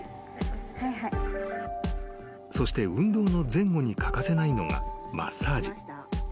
［そして運動の前後に欠かせないのがマッサージ］